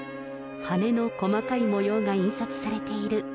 羽根の細かい模様が印刷されている